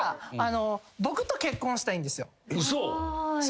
嘘！？